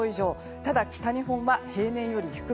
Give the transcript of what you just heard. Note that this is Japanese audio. ただ、北日本は平年より低め。